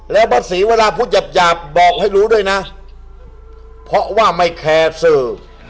แล้วป้าศรีเวลาพูดหยาบหยาบบอกให้รู้ด้วยนะเพราะว่าไม่แคร์สื่อ